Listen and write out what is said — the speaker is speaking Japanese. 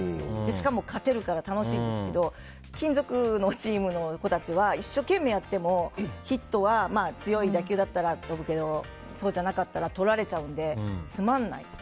しかも勝てるから楽しいんですけど金属のチームの子たちは一生懸命やってもヒットは強い打球だったら飛ぶけどそうじゃなかったらとられちゃうのでつまんないって。